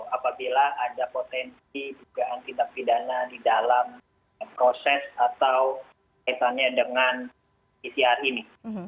apabila ada potensi dugaan tindak pidana di dalam proses atau kaitannya dengan pcr ini